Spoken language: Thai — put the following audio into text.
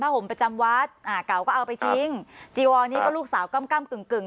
ผ้าห่มประจำวัดอ่าเก่าก็เอาไปทิ้งครับจีวอลนี้ก็ลูกสาวกล้ำกล้ำกึ่ง